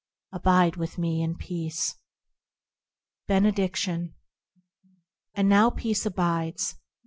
Abide with Me in Peace. Benediction And now peace abides.